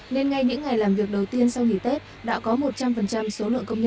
nên ngay những ngày làm việc đầu tiên sau nghỉ tết đã có một trăm linh số lượng công nhân